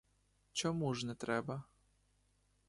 Чому ж не треба?